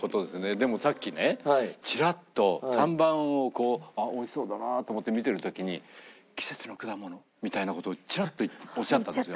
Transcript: でもさっきねチラッと３番をこうああ美味しそうだなと思って見てる時に「季節の果物」みたいな事をチラッとおっしゃったんですよ。